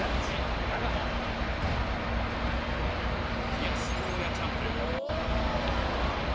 冷やしゴーヤチャンプルー。